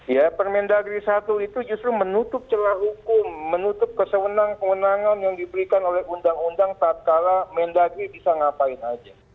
ya permendagri satu itu justru menutup celah hukum menutup kesewenang kewenangan yang diberikan oleh undang undang tak kalah mendagri bisa ngapain aja